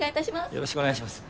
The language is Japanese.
よろしくお願いします。